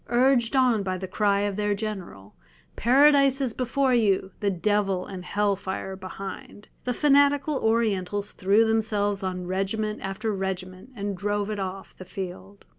Urged on by the cry of their general, "Paradise is before you, the devil and hell fire behind," the fanatical Orientals threw themselves on regiment after regiment and drove it off the field.